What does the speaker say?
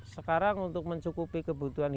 sekarang untuk mencukupi kebutuhan